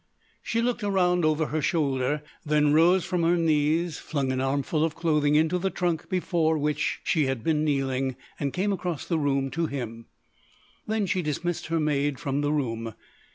She looked around over her shoulder, then rose from her knees, flung an armful of clothing into the trunk before which she had been kneeling, and came across the room to him. Then she dismissed her maid from the room.